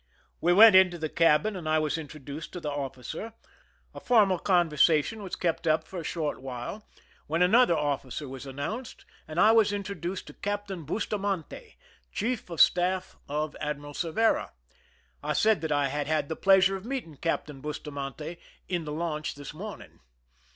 We went into the cabin, and I was introduced to the officer. A formal conversation was kept up 139 THE SINKING OF THE "MEERIMAC" for a short while, when another officer was an nounced, and I was introduced to Captain Busta mante, chief of staff of Admiral Cervera. I said that I had had the pleasure of meeting Captain Bustamante "in the launch this morning."